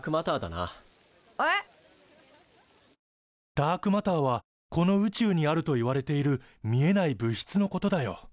ダークマターはこの宇宙にあるといわれている見えない物質のことだよ。